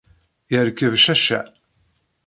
Yerkeb cacca.